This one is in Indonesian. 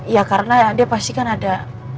ya karena dia pasti kan ada